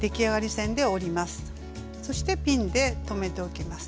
そしてピンで留めておきます。